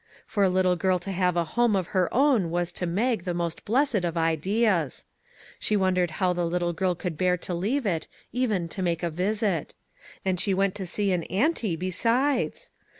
For a little girl to have a home of her own was to Mag the most blessed of ideas. She wondered how the little girl could bear to leave it, even to make a visit. And she went to see an auntie, besides!